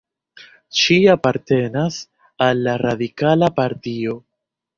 Ŝi apartenas al la radikala partio.